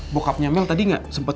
bokapnya mel tadi gak sempet